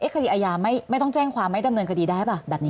คดีอาญาไม่ต้องแจ้งความไม่ดำเนินคดีได้ป่ะแบบนี้